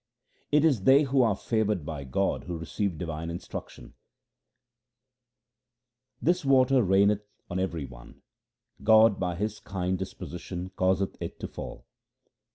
It is they who are favoured by God who receive divine instruction :— This water raineth on every one ; God by His kind disposition causeth it to fall.